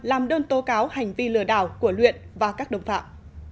làm đơn tố cáo hành vi lừa đảo của luyện và các đồng phạm